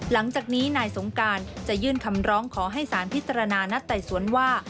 หลังจากนี้นายสงการจะยื่นคำร้องขอให้สารพิจารณานัดไต่สวนว่า